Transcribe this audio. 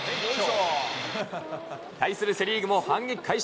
対するセ・リーグも反撃開始。